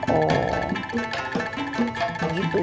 oh begitu ya